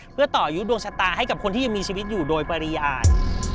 เพื่อต่อยุคดวงชะตาให้กับคนที่ยังมีชีวิตอยู่โดยปริญญาณ